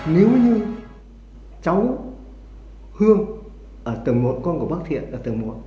nếu như cháu hương ở tầng một con của bác thiện ở tầng một